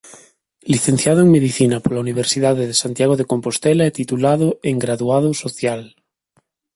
Licenciado en Medicina pola Universidade de Santiago de Compostela e titulado en Graduado Social.